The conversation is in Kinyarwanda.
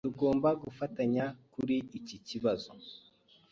Tugomba gufatanya kuri iki kibazo.